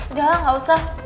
udah lah gak usah